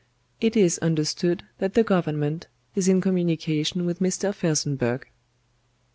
"It is understood that the Government is in communication with Mr. Felsenburgh."